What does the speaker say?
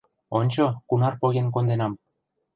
— Ончо, кунар поген конденам.